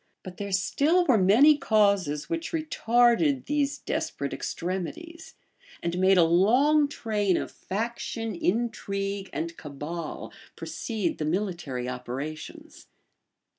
But there still were many causes which retarded these desperate extremities, and made a long train of faction, intrigue, and cabal, precede the military operations.